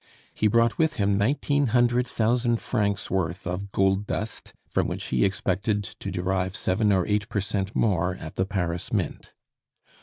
He brought with him nineteen hundred thousand francs worth of gold dust, from which he expected to derive seven or eight per cent more at the Paris mint.